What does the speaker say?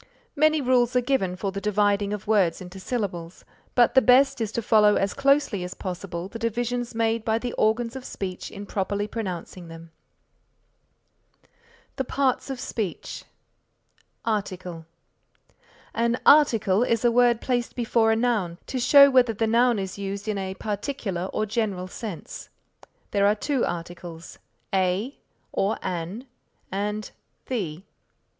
Many rules are given for the dividing of words into syllables, but the best is to follow as closely as possible the divisions made by the organs of speech in properly pronouncing them. THE PARTS OF SPEECH ARTICLE An Article is a word placed before a noun to show whether the noun is used in a particular or general sense. There are two articles, a or an and the.